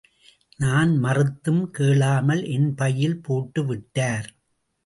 நான் மறுத்தும் கேளாமல் என் பையில் போட்டுவிட்டார்.